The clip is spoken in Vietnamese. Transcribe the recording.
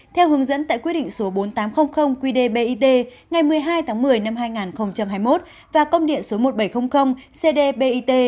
theo hướng dẫn tại quyết định số bốn nghìn tám trăm linh qd bit ngày một mươi hai tháng một mươi năm hai nghìn hai mươi một và công điện số một nghìn bảy trăm linh cd bit